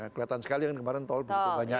kelihatan sekali yang kemarin tol banyak